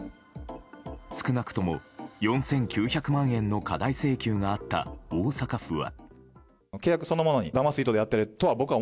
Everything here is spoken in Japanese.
少なくとも４９００万円の過大請求があった大阪府は。